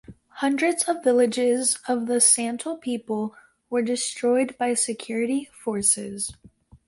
Hundreds of villages of the Santal People were destroyed by security forces.